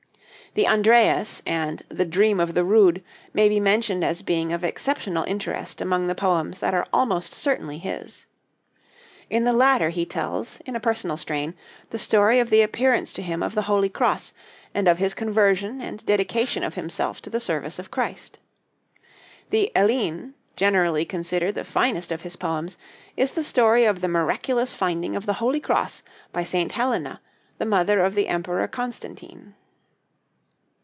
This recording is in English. The 'Andreas' and the 'Dream of the Rood' may be mentioned as being of exceptional interest among the poems that are almost certainly his. In the latter, he tells, in a personal strain, the story of the appearance to him of the holy cross, and of his conversion and dedication of himself to the service of Christ. The 'Elene,' generally considered the finest of his poems, is the story of the miraculous finding of the holy cross by St. Helena, the mother of the Emperor Constantine.